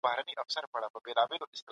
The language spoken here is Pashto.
زرولۍ